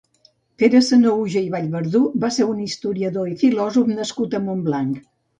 Pere Sanahuja i Vallverdú va ser un historiador i filòsof nascut a Montblanc.